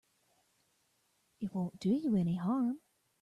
It won't do you any harm.